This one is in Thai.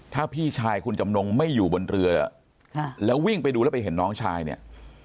ถ้าพี่ชายคุณจำนงไม่อยู่บนเรือแล้ววิ่งไปดูแล้วไปเห็นน้องชายเนี่ย